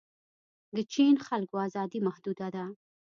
د چین خلکو ازادي محدوده ده.